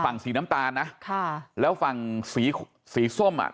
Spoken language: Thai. สีน้ำตาลนะค่ะแล้วฝั่งสีสีส้มอ่ะ